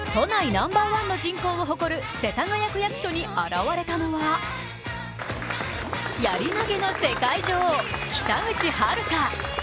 ナンバーワンの人口を誇る世田谷区役所に現れたのはやり投げの世界女王・北口榛花。